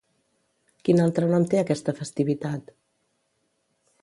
Quin altre nom té aquesta festivitat?